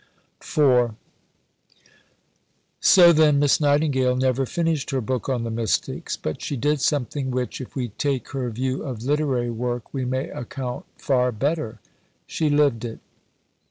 IV So, then, Miss Nightingale never finished her book on the Mystics; but she did something which, if we take her view of literary work, we may account far better; she lived it.